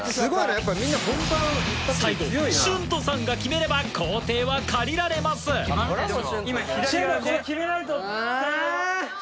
最後ＳＨＵＮＴＯさんが決めれば校庭は借りられますあ！